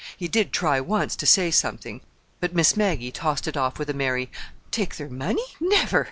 He did try once to say something; but Miss Maggie tossed it off with a merry: "Take their money? Never!